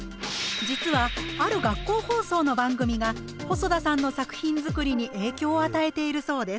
実はある学校放送の番組が細田さんの作品づくりに影響を与えているそうです。